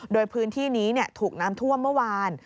โดยพื้นที่นี้ถูกน้ำท่วมเมื่อวาน